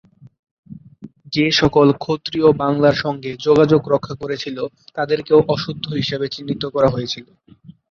যে সকল ক্ষত্রীয় বাংলার সঙ্গে যোগাযোগ রক্ষা করেছিলো, তাদেরকেও অশুদ্ধ হিসেবে চিহ্নিত করা হয়েছিল।